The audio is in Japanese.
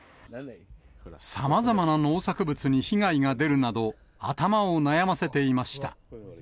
さまざまな農作物に被害が出るなど、頭を悩ませていました。